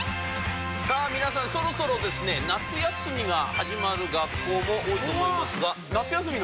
さあ皆さんそろそろですね夏休みが始まる学校も多いと思いますが。